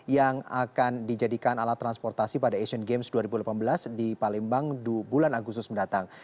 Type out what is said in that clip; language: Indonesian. yang akan dijadikan alat transportasi pada asian games dua ribu delapan belas di palembang bulan agustus mendatang